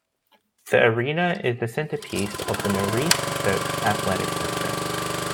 The arena is the centerpiece of the Maurice Stokes Athletic Center.